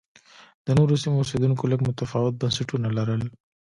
د نورو سیمو اوسېدونکو لږ متفاوت بنسټونه لرل